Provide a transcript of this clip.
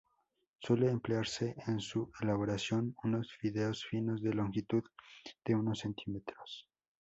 Suele emplearse en su elaboración unos fideos finos de longitud de unos centímetros.